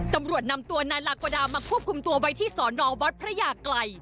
ตำรวจนำตัวนานลากวดามาภูมิกุมตัวไว้ที่สอนอวรพยาไกร